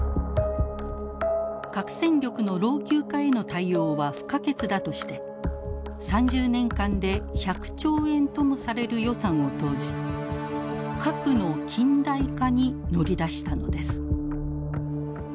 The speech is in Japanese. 核戦力の老朽化への対応は不可欠だとして３０年間で１００兆円ともされる予算を投じ核の近代化に乗り出したのです。